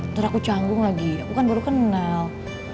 ntar aku canggung lagi aku kan baru kenal